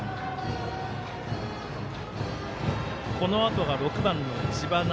このあとが６番の知花。